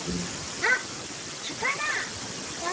あっさかだ！